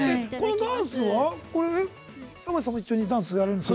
ダンスは、山内さんも一緒にやられるんですか？